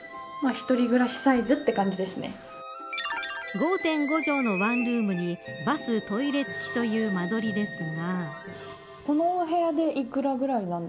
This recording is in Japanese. ５．５畳のワンルームにバス、トイレ付きという間取りですが。